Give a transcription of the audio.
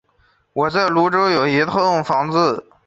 我在芦洲有一栋房子